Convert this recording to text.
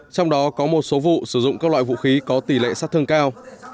trong đó có một số vụ sử dụng các loại vũ khí có tỷ lệ sát thương cao